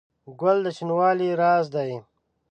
ګل د شینوالي راز دی.